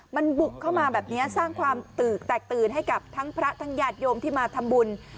มันบุกเข้ามาแบบนี้สร้างความตื่นแตกตื่นให้กับทั้งพระทั้งญาติโยมที่มาทำบุญ